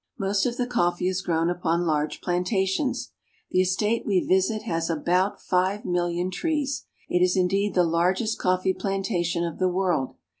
Most of the coffee is grown upon large plantations. The estate we visit has about five million trees. It is in deed the largest coffee plantation of the world.